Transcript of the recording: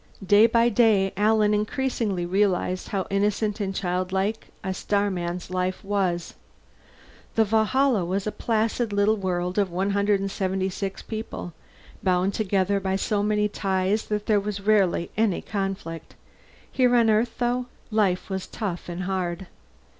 Day by day Alan increasingly realized how innocent and childlike a starman's life was. The Valhalla was a placid little world of 176 people, bound together by so many ties that there was rarely any conflict. Here on Earth, though, life was tough and hard.